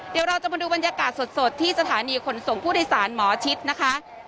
เดี๋ยวเราจะมาดูบรรยากาศสดที่สถานีขนส่งผู้โดยสารหมอชิดนะคะ